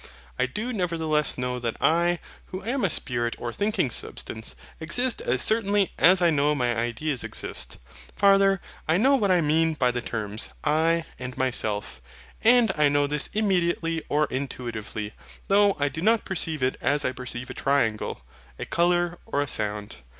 I do nevertheless know that I, who am a spirit or thinking substance, exist as certainly as I know my ideas exist. Farther, I know what I mean by the terms I AND MYSELF; and I know this immediately or intuitively, though I do not perceive it as I perceive a triangle, a colour, or a sound.